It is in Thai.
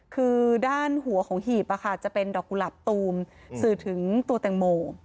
คือด้านหัวของหีบจะเป็นดอกกุหลับตูมสื่อถึงตัวแตงโม